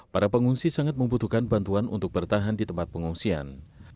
para pengungsi sangat membutuhkan bantuan untuk bertahan di tempat pengungsian